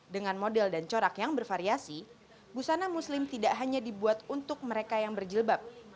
dengan model dan corak yang bervariasi busana muslim tidak hanya dibuat untuk mereka yang berjilbab